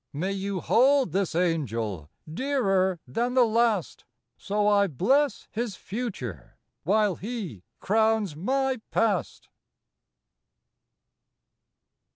May you hold this Angel Dearer than the last, — So I bless his Future, While he crowns my Past.